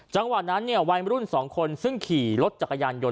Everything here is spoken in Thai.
จังหวะนั้นเนี่ยวัยมรุ่น๒คนซึ่งขี่รถจักรยานยนต